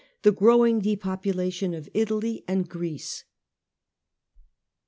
THE GROWING DEPOPULATION OF ITALY AND GREECE.